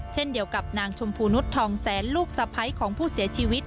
เช่นเดียวกับนางชมพูนุษย์ทองแสนลูกสะพ้ายของผู้เสียชีวิต